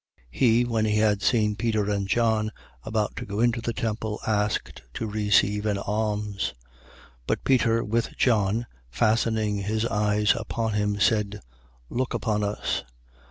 3:3. He, when he had seen Peter and John, about to go into the temple, asked to receive an alms. 3:4. But Peter with John, fastening his eyes upon him, said: Look upon us.